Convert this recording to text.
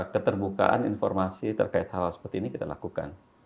keterbukaan informasi terkait hal seperti ini kita lakukan